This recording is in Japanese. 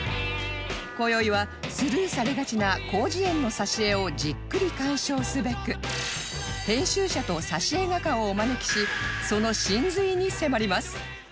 今宵はスルーされがちな『広辞苑』の挿絵をじっくり鑑賞すべく編集者と挿絵画家をお招きしその神髄に迫ります